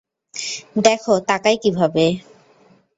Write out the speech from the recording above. দেখ তাকায় কীভাবে?